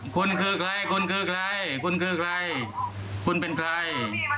คุณคือคุณคือใครคุณเป็นใคร